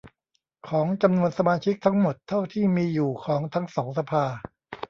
ของจำนวนสมาชิกทั้งหมดเท่าที่มีอยู่ของทั้งสองสภา